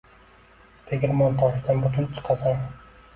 «Tegirmon toshidan butun chiqasan»